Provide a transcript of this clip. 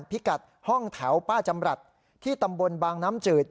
พิกัดห้องแถวป้าจำรัฐที่ตำบลบางน้ำจืด